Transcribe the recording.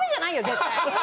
絶対。